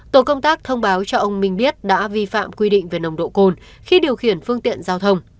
tổ công tác thông báo cho ông minh biết đã vi phạm quy định về nồng độ cồn khi điều khiển phương tiện giao thông